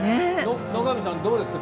野上さんどうです？